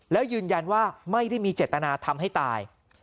แล้วยืนยันว่าไม่ได้มีเจตนาทำให้ตาย